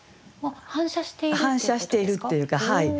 反射しているってことですか？